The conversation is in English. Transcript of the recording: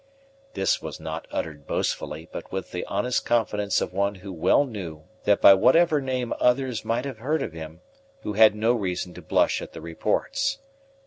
This was not uttered boastfully, but with the honest confidence of one who well knew that by whatever name others might have heard of him, who had no reason to blush at the reports.